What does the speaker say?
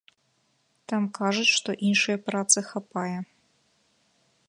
Там кажуць, што іншай працы хапае.